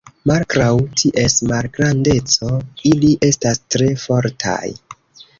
Malgraŭ ties malgrandeco, ili estas tre fortaj.